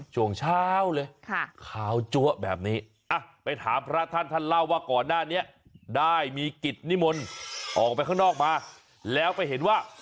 ช่วงเช้าเลยขาวจั๊วแบบนี้ไปถามพระท่านท่านเล่าว่าก่อนหน้านี้ได้มีกิจนิมนต์ออกไปข้างนอกมาแล้วไปเห็นว่า